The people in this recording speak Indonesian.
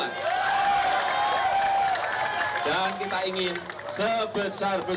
dan kita ingin melakukan hal yang berharga yang berharga dan yang berharga untuk seluruh rakyat indonesia